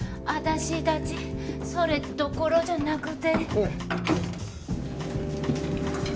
アタシたちそれどころじゃなくて。